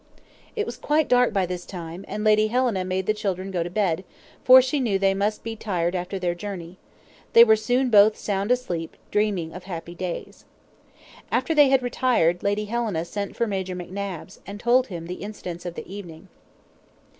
It was quite dark by this time, and Lady Helena made the children go to bed, for she knew they must be tired after their journey. They were soon both sound asleep, dreaming of happy days. After they had retired. Lady Helena sent for Major McNabbs, and told him the incidents of the evening.